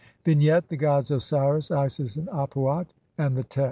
Vignette : The gods Osiris, Isis, and Ap uat, and the Tet.